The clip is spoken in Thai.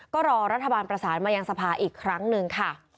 ก็รอรัฐบาลประสานมายังสภาอีกครั้งหนึ่งค่ะ